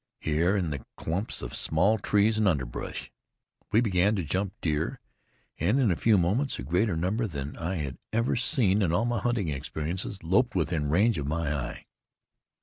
Here in the clumps of small trees and underbrush, we began to jump deer, and in a few moments a greater number than I had ever seen in all my hunting experiences loped within range of my eye.